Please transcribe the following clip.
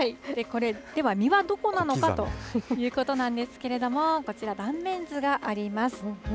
これ、では実はどこなのかということなんですけれども、こちら、断面図があります。